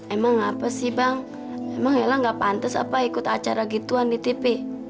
emang apa sih bang emang nela gak pantes apa ikut acara gituan di tv